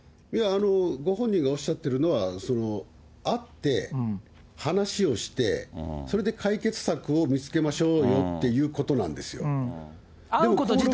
ご本人がおっしゃってるのは、会って、話をして、それで解決策を見つけましょうよっていうことなんですよ。